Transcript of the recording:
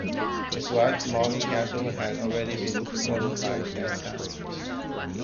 His wife, Molly Castle, had already been deported by that time.